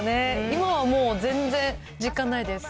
今はもう、全然、実感ないです。